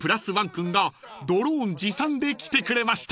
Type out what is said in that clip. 君がドローン持参で来てくれました］